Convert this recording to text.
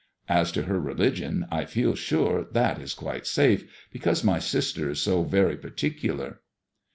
As to her religion, I feel sure that is quite safe, because my sister is so very par ticular."